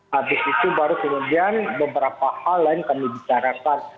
habis itu baru kemudian beberapa hal lain kami bicarakan